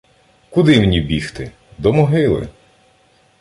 Куди мні бігти? — до могили!